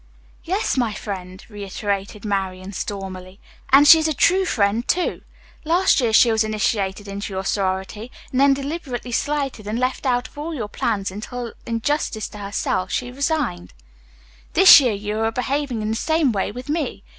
"Yes, my friend," reiterated Marian stormily, "and she is a true friend, too. Last year she was initiated into your sorority, and then deliberately slighted and left out of all your plans until in justice to herself she resigned. "This year you are behaving in the same way with me.